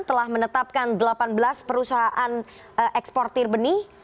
telah menetapkan delapan belas perusahaan ekspor tirbenih